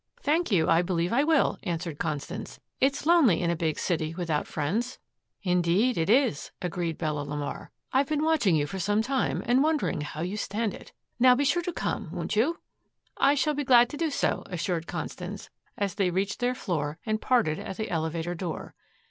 "Thank you. I believe I will," answered Constance. "It's lonely in a big city without friends." "Indeed it is," agreed Bella LeMar. "I've been watching you for some time and wondering how you stand it. Now be sure to come, won't you?" "I shall be glad to do so," assured Constance, as they reached their floor and parted at the elevator door.